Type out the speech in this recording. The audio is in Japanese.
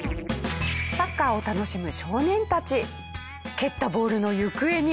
サッカーを楽しむ少年たち。